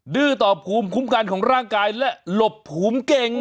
ดื้อต่อภูมิคุ้มกันของร่างกายและหลบภูมิเก่ง